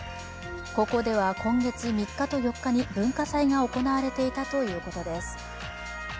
高校では今月３日と４日に文化祭が行われていたということです。